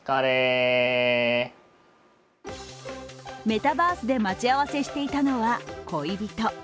メタバースで待ち合わせしていたのは、恋人。